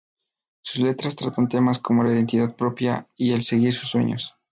Sus letras tratan temas como la identidad propia y el seguir los sueños.